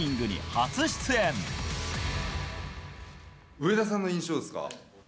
上田さんの印象ですか？